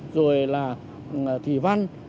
rồi là thủy văn